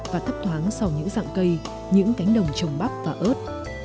và thấp thoáng sau những dạng cây những cánh đồng trồng bắp và ớt